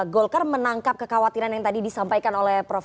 golkar menangkap kekhawatiran yang tadi disampaikan oleh prof